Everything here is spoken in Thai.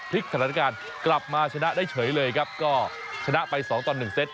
สถานการณ์กลับมาชนะได้เฉยเลยครับก็ชนะไปสองต่อหนึ่งเซต